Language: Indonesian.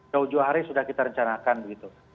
ke uju hari sudah kita rencanakan begitu